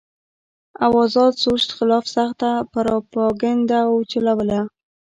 او ازاد سوچ خلاف سخته پراپېګنډه اوچلوله